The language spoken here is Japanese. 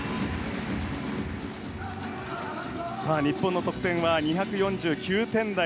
日本の得点は２４９点台。